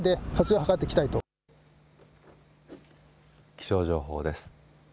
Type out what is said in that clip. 気象情報です。